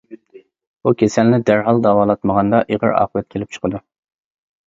بۇ كېسەلنى دەرھال داۋالاتمىغاندا ئېغىر ئاقىۋەت كېلىپ چىقىدۇ.